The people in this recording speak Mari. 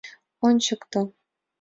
Ончыкто!».